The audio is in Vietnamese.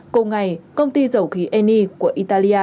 cùng ngày công ty dầu khí eni của italia